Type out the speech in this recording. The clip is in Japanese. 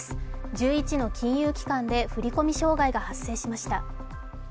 １１の金融機関で振り込み障害が発生しました。